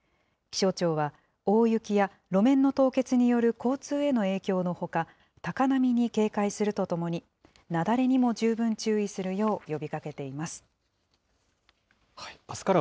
気象庁は、大雪や路面の凍結による交通への影響のほか、高波に警戒するとともに、雪崩にも十分注意するよう呼びかけています。